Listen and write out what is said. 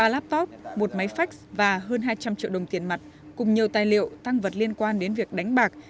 ba laptop một máy fax và hơn hai trăm linh triệu đồng tiền mặt cùng nhiều tài liệu tăng vật liên quan đến việc đánh bạc